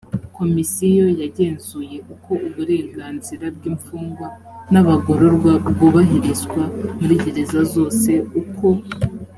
komisiyo yagenzuye uko uburenganzira bw imfungwa n abagororwa bwubahirizwa muri gereza zose uko